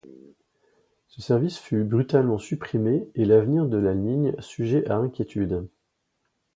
Ce service fut brutalement supprimé et l'avenir de la ligne sujet à inquiétude.